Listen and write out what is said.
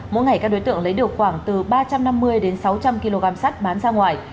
mỗi ngày các đối tượng lấy được khoảng từ ba trăm năm mươi đến sáu trăm linh kg sắt bán ra ngoài